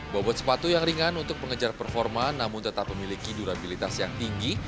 bobot sepatu yang ringan untuk pengejar performa namun tetap memiliki durabilitas yang tinggi